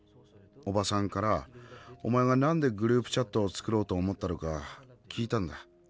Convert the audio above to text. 伯母さんからおまえがなんでグループチャットを作ろうと思ったのか聞いたんだ。